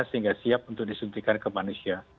sehingga siap untuk disuntikan ke manusia